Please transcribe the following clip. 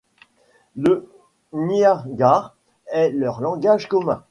Le nyungar est leur langage commun.